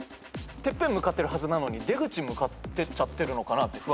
てっぺん向かってるはずなのに出口向かってっちゃってるのかなって不安になるじゃん。